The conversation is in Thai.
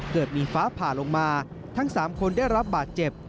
เกิดมีฟ้าผ่าลงมาทั้ง๓คนได้รับบาดเจ็บ